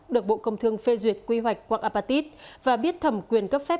được bộ công thương phê duyệt quy hoạch quạng apatit và biết thẩm quyền cấp phép